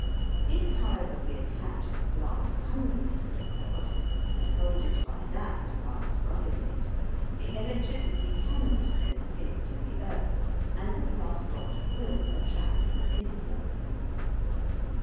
If, however, we attach a glass handle to the rod and hold it by that whilst rubbing it, the electricity cannot then escape to the earth, and the brass rod will attract the pith ball.